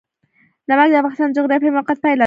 نمک د افغانستان د جغرافیایي موقیعت پایله ده.